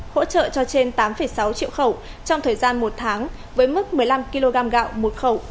hỗ trợ cho trên tám sáu triệu khẩu trong thời gian một tháng với mức một mươi năm kg gạo một khẩu